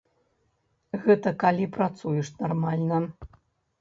Гэта калі працуеш нармальна.